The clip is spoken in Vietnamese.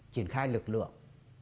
trình khai lực lượng